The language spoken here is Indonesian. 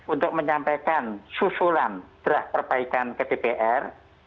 untuk menyampaikan susulan draft perbaikan ke dpr